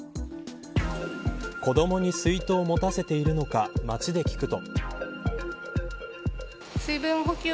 子どもに水筒を持たせているのか街で聞くと。